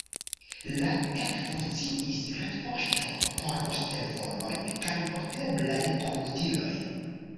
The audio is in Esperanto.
La ekfunkciis retpoŝto por poŝtelefonoj kaj porteblaj komputiloj.